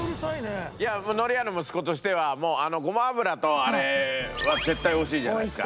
海苔屋の息子としてはもうごま油とあれは絶対美味しいじゃないですか。